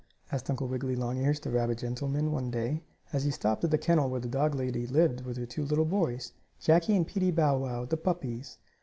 asked Uncle Wiggily Longears, the rabbit gentleman, one day, as he stopped at the kennel where the dog lady lived with her two little boys, Jackie and Peetie Bow Wow, the puppies.